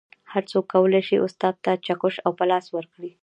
هر څوک کولی شي استاد ته چکش او پلاس ورکړي